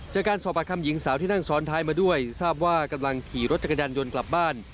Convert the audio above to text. จากการสอบปากคำหญิงสาวที่นั่งซ้อนท้ายมาด้วยทราบว่ากำลังขี่รถจักรยานยนต์กลับบ้าน